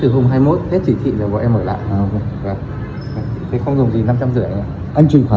sáu trăm một mươi sáu khách trả phòng ạ